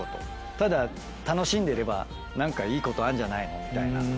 ただ楽しんでれば何かいいことあんじゃないの？みたいな。